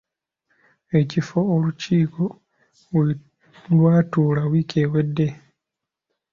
Ekifo olukiiko we lwatuula wiki ewedde.